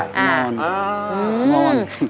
งอนงอน